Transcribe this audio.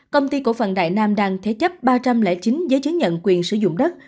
công ty cổ phần đại nam đang thế chấp ba trăm linh chín giấy chứng nhận quyền sử dụng đất